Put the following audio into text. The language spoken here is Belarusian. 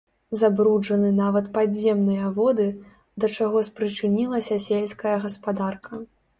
Забруджаны нават падземныя воды, да чаго спрычынілася сельская гаспадарка.